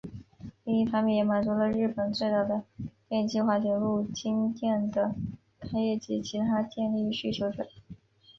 另一方面也满足了日本最早的电气化铁路京电的开业及其他电力需求者。